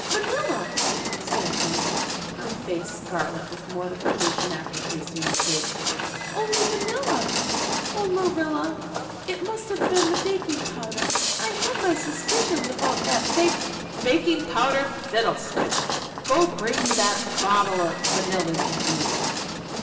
"Vanilla," said Anne, her face scarlet with mortification after tasting the cake. "Only vanilla. Oh, Marilla, it must have been the baking powder. I had my suspicions of that bak " "Baking powder fiddlesticks! Go and bring me the bottle of vanilla you used."